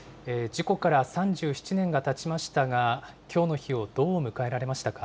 事故から３７年がたちましたが、きょうの日をどう迎えられましたか。